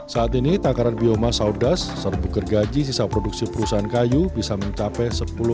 saat ini tangkaran biomass sawdust serbu gergaji sisa produksi perusahaan kayu bisa mencapai sepuluh